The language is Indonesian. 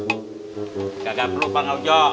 gak perlu bang ojo